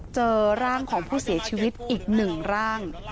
เจอร่างของผู้เสียชีวิตอีก๑ร่าง